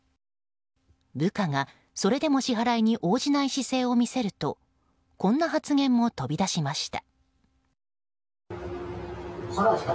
部下がそれでも支払いに応じない姿勢を見せるとこんな発言も飛び出しました。